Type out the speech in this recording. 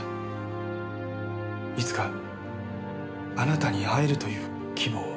いつかあなたに会えるという希望を。